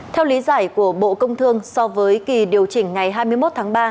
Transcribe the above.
theo lý giải của bộ công thương so với kỳ điều chỉnh ngày hai mươi một tháng ba